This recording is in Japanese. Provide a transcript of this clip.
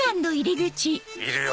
いるよ